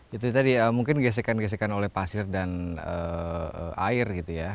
itu tadi mungkin gesekan gesekan oleh pasir dan air